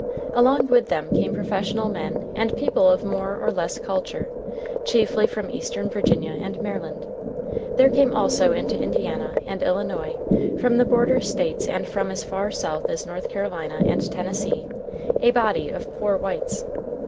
Along with them came professional men and people of more or less culture, chiefly from eastern Virginia and Maryland. There came also into Indiana and Illinois, from the border States and from as far south as North Carolina and Tennessee, a body of "poor whites."